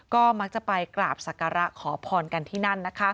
ก็มักจะไปกราบศักระขอพรกันที่นั่นนะคะ